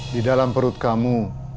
di dalam perut kamu